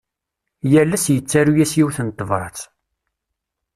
Yal ass yettaru-as yiwet n tebrat.